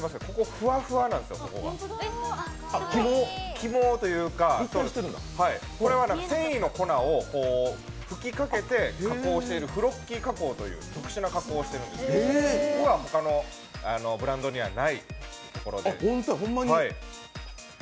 ふわふわなんですよ、ここが起毛というか、繊維の粉を吹きかけて加工しているフロッキー加工という特殊な加工をしているここが他のブランドにはないところで。